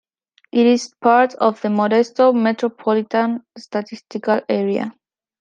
It is part of the Modesto Metropolitan Statistical Area.